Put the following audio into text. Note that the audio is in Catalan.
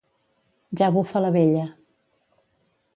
Ja bufa la vella.